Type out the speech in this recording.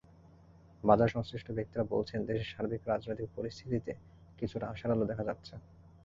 বাজারসংশ্লিষ্ট ব্যক্তিরা বলছেন, দেশের সার্বিক রাজনৈতিক পরিস্থিতিতে কিছুটা আশার আলো দেখা যাচ্ছে।